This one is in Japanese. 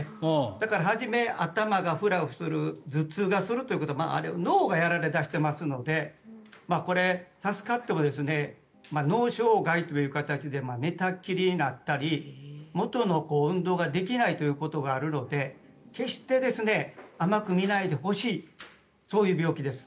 だから、初めに頭がフラフラする頭痛がするというのはあれは脳がやられ出してますのでこれ、助かっても脳障害という形で寝たきりになったり元の運動ができないということがあるので決して甘く見ないでほしいそういう病気です。